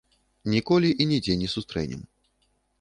Ніколі і нідзе не сустрэнем.